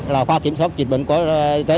là khoa kiểm soát dịch bệnh của y tế